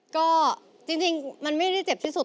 ก็จริงมันไม่ได้เจ็บที่สุด